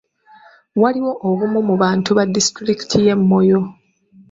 Waliwo obumu mu bantu ba disitulikiti y'e Moyo.